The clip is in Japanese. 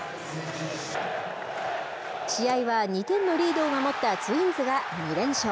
試合は２点のリードを守ったツインズが２連勝。